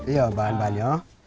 iya bahan banyak